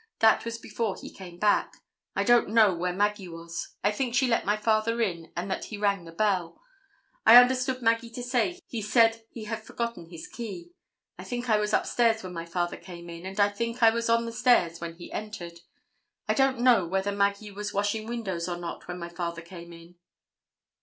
That was before he came back. I don't know where Maggie was. I think she let my father in, and that he rang the bell. I understood Maggie to say he said he had forgotten his key. I think I was up stairs when my father came in, and I think I was on the stairs when he entered. I don't know whether Maggie was washing windows or not when my father came in."